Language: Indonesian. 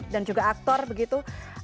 dan juga aktor begitu